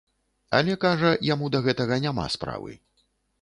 Але, кажа, яму да гэтага няма справы.